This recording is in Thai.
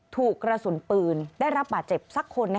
ถูกกระสุนปืนได้รับบาดเจ็บสักคน